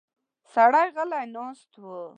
سړی غلی ناست و.